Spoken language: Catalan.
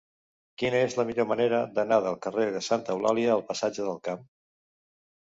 Quina és la millor manera d'anar del carrer de Santa Eulàlia al passatge del Camp?